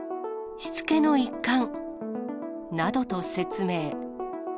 しつけの一環。などと説明。